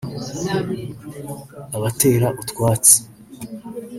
abatera utwatsi